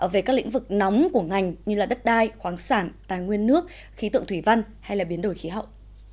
về các lĩnh vực nóng của ngành như đất đai khoáng sản tài nguyên nước khí tượng thủy văn hay biến đổi khí hậu